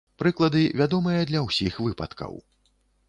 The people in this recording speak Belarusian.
Прыклады вядомыя для ўсіх выпадкаў.